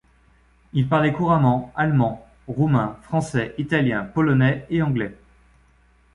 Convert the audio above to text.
Il parlait couramment allemand, roumain, français, italien, polonais et anglais.